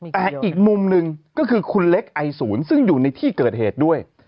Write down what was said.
แต่อีกมุมหนึ่งก็คือคุณเล็กไอศูนย์ซึ่งอยู่ในที่เกิดเหตุด้วย